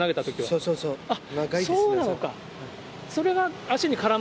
そうそうそうそう。